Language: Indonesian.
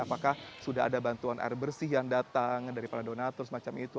apakah sudah ada bantuan air bersih yang datang dari para donatur semacam itu